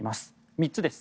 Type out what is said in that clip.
３つです。